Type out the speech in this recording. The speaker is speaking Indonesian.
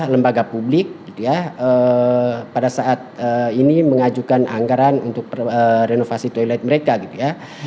lembaga publik gitu ya pada saat ini mengajukan anggaran untuk renovasi toilet mereka gitu ya